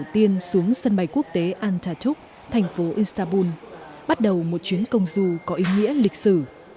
chuyến thăm đầu tiên xuống sân bay quốc tế antartuk thành phố istanbul bắt đầu một chuyến công du có ý nghĩa lịch sử